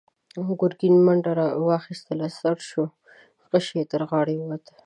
ګرګين منډه واخيسته، څررر شو، غشۍ يې تر غاړې ووت.